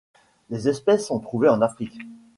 Les espèces sont trouvées en Afrique.